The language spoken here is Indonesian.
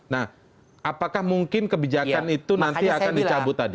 nah apakah mungkin kebijakan itu nanti akan dicabut tadi